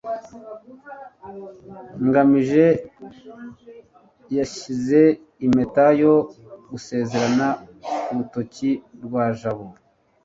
ngamije yashyize impeta yo gusezerana kurutoki rwa jabo